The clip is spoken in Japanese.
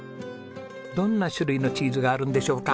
どんな種類のチーズがあるんでしょうか？